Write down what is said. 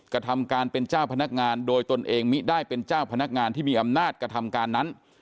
กระทำการเป็นเจ้าพนักงานโดยตนเองมิได้เป็นเจ้าพนักงานที่มีอำนาจกระทำการนั้น